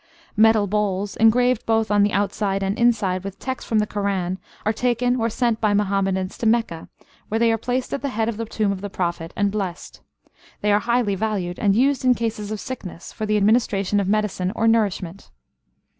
Metal bowls, engraved both on the outside and inside with texts from the Quran, are taken or sent by Muhammadans to Mecca, where they are placed at the head of the tomb of the Prophet, and blessed. They are highly valued, and used in cases of sickness for the administration of medicine or nourishment.